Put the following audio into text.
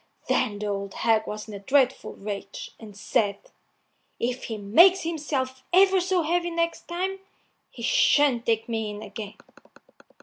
Then the old hag was in a dreadful rage, and said, "If he makes himself ever so heavy next time, he shan't take me in again."